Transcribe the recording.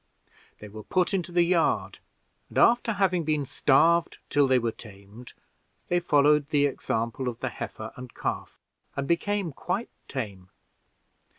They were put into the yard, and after having been starved till they were tamed, they followed the example of the heifer and calf, and became quite tame.